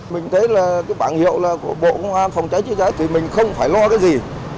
mình thấy là cái bảng hiệu là của bộ công an phòng chạy chia chạy thì mình không phải lo cái gì